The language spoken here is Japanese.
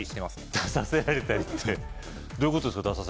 出させられたりってどういうことですか？